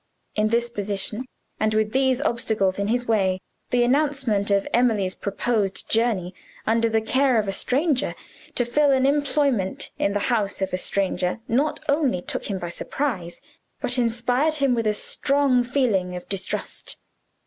In this position, and with these obstacles in his way, the announcement of Emily's proposed journey under the care of a stranger, to fill an employment in the house of a stranger not only took him by surprise, but inspired him with a strong feeling of distrust.